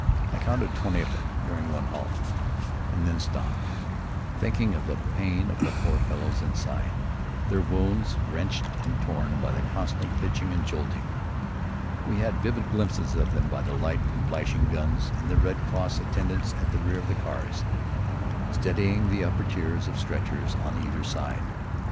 I counted twenty of them during one halt, and then stopped, thinking of the pain of the poor fellows inside, their wounds wrenched and torn by the constant pitching and jolting. We had vivid glimpses of them by the light from flashing guns, and of the Red Cross attendants at the rear of the cars, steadying the upper tiers of stretchers on either side.